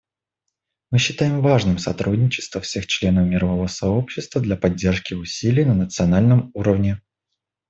Мы считаем важным сотрудничество всех членов мирового сообщества для поддержки усилий на национальном уровне.